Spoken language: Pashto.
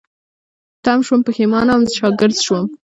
تم شوم، پيښمانه وم، شاګرځ شوم